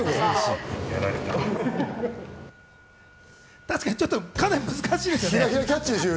確かにちょっと、かなり難しいですね。